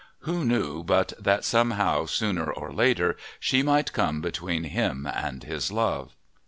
Who knew but that somehow, sooner or later, she might come between him and his love?